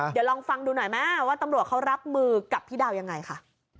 เดี๋ยวลองฟังดูหน่อยไหมว่าตำรวจเขารับมือกับพี่ดาวยังไงค่ะ